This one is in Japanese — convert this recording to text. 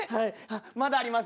まだあります。